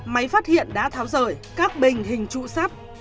máy phát hiện đã tháo rời các bình hình trụ sắt